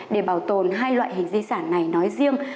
để bảo tồn hai loại hình di sản này nói riêng